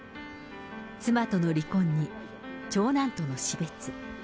妻との離婚に、長男との死別。